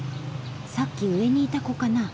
さっき上にいた子かな。